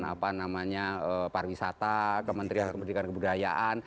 kementerian parwisata kementerian kebudayaan